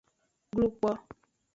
Glo kpo.